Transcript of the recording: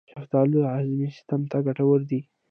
شفتالو د هاضمې سیستم ته ګټور دی.